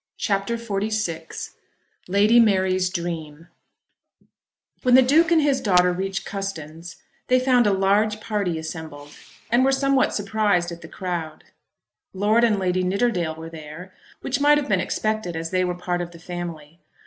CHAPTER XLVI Lady Mary's Dream When the Duke and his daughter reached Custins they found a large party assembled, and were somewhat surprised at the crowd. Lord and Lady Nidderdale were there, which might have been expected as they were part of the family.